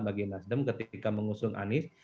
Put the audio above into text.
bagi nasdem ketika mengusung anies